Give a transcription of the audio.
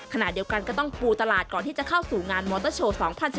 ขณะเดียวกันก็ต้องปูตลาดก่อนที่จะเข้าสู่งานมอเตอร์โชว์๒๐๑๙